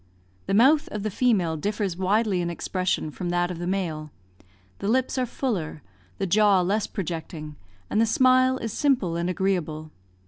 The mouth of the female differs widely in expression from that of the male; the lips are fuller, the jaw less projecting, and the smile is simple and agreeable.